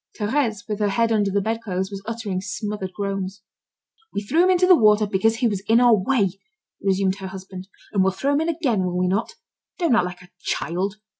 Thérèse with her head under the bedclothes, was uttering smothered groans. "We threw him into the water, because he was in our way," resumed her husband. "And we'll throw him in again, will we not? Don't act like a child.